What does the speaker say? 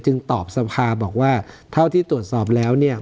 ตอบสภาบอกว่าเท่าที่ตรวจสอบแล้วเนี่ย